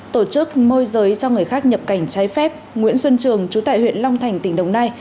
tổ chức môi giới cho người khác nhập cảnh trái phép nguyễn xuân trường chú tại huyện long thành tỉnh đồng nai